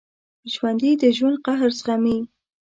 ژوندي د ژوند قهر زغمي